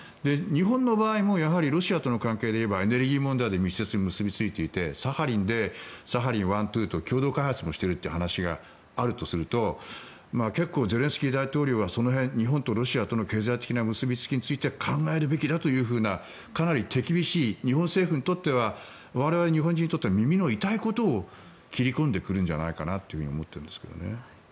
日本の場合もロシアとの関係でいえばエネルギー問題で密接に結びついていてサハリンでサハリン１、２と共同開発もしているという話があるとすると結構、ゼレンスキー大統領はその辺、日本とロシアとの経済的な結びつきについて考えるべきだというふうなかなり手厳しい日本政府にとっては我々日本人にとっては耳の痛いことを切り込んでくるんじゃないかなと思っているんですけどね。